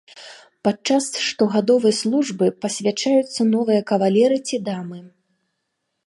Падчас штогадовай службы пасвячаюцца новыя кавалеры ці дамы.